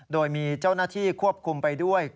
โดยมีเจ้าหน้าที่ควบคุมไปด้วย